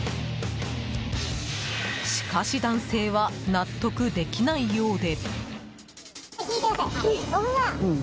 しかし、男性は納得できないようで。